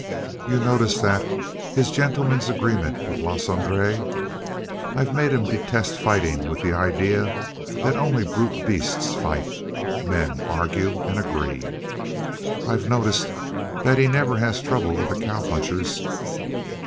"You noticed that his gentleman's agreement with Le Sangre? I've made him detest fighting with the idea that only brute beasts fight men argue and agree." "I've noticed that he never has trouble with the cow punchers."